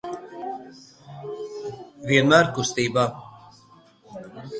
Vienmēr kustībā.